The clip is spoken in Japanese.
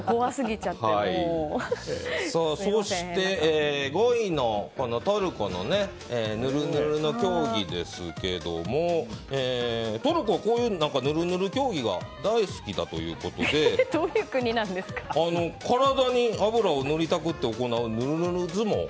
続いては５位のトルコのぬるぬるの競技ですがトルコはぬるぬる競技が大好きだということで体に油を塗りたくって行うぬるぬる相撲。